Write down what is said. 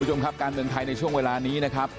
คุณผู้ชมครับการเมืองไทยในช่วงเวลานี้นะครับ